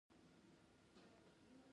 ما باور درلود چې دی د اورېدو وړتیا لري